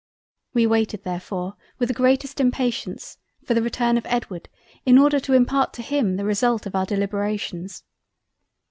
We waited therefore with the greatest impatience, for the return of Edward in order to impart to him the result of our Deliberations.